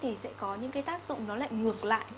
thì sẽ có những cái tác dụng nó lại ngược lại